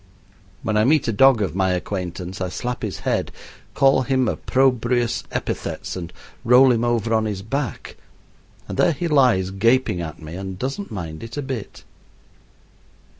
When I meet a dog of my acquaintance I slap his head, call him opprobrious epithets, and roll him over on his back; and there he lies, gaping at me, and doesn't mind it a bit.